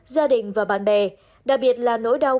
gia đình và bạn bè đặc biệt là nỗi đau